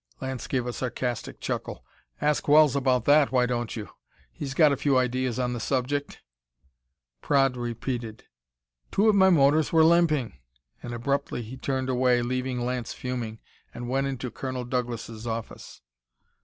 Lance gave a sarcastic chuckle. "Ask Wells about that, why don't you? He's got a few ideas on the subject." Praed repeated: "Two of my motors were limping," and abruptly he turned away, leaving Lance fuming, and went into Colonel Douglas' office.